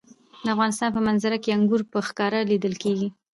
د افغانستان په منظره کې انګور په ښکاره لیدل کېږي.